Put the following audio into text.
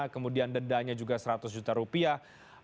kemudian dendanya juga seratus juta rupiah